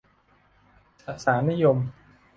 สสารนิยม